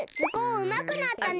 うまくなったね。